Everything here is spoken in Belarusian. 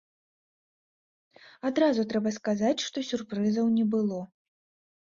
Адразу трэба сказаць, што сюрпрызаў не было.